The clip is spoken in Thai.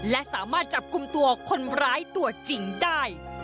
และสามารถจับกลุ่มตัวคนร้ายตัวจริงได้